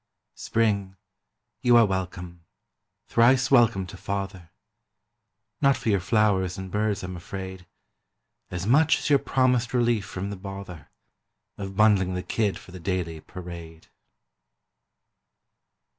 Spring, you are welcome, thrice welcome to father; Not for your flowers and birds, I'm afraid, As much as your promised relief from the bother Of bundling the kid for the daily parade.